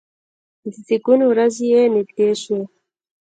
د زیږون ورځې یې نږدې شوې.